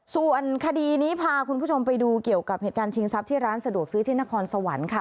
ส่วนคดีนี้พาคุณผู้ชมไปดูเกี่ยวกับเหตุการณ์ชิงทรัพย์ที่ร้านสะดวกซื้อที่นครสวรรค์ค่ะ